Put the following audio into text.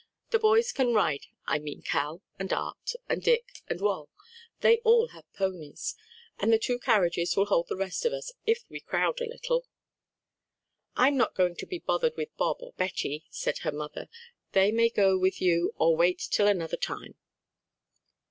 "The boys can ride, I mean Cal, and Art, and Dick and Wal; they all have ponies and the two carriages will hold the rest of us if we crowd a little." "I'm not going to be bothered with Bob or Betty," said her mother; "they may go with you, or wait till another time."